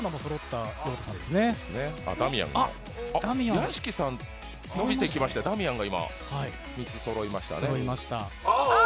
屋敷さんそろえてきましたよ、ダミアンが今６つそろいましたね。